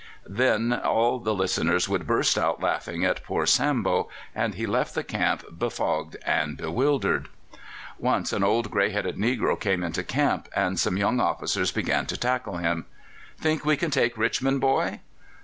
Then all the listeners would burst out laughing at poor Sambo, and he left the camp befogged and bewildered. Once an old grey headed negro came into camp, and some young officers began to tackle him. "Think we can take Richmond, boy?"